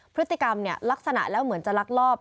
พฤติกรรมลักษณะแล้วเหมือนจะลักลอบ